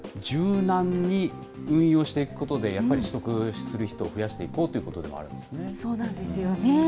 柔軟に運用していくことで、やっぱり取得する人を増やしていこうということでもあるんですね。